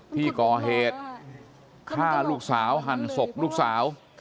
ที่ก่อเหตุฆ่าลูกสาวหั่นศพลูกสาว